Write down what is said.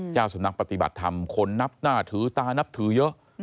เจ้าสำนักปฏิบัติธรรมคนนับหน้าถือตานับถือเยอะ